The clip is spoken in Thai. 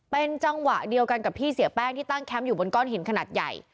เป็นจังหวะเดียวกันกับที่เสียแป้งที่ตั้งแคมป์อยู่บนก้อนหินขนาดใหญ่